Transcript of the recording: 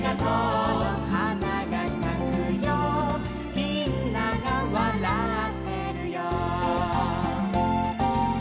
「みんながわらってるよ」